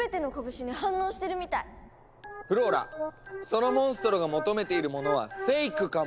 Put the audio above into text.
フローラそのモンストロが求めているものは「フェイク」かも。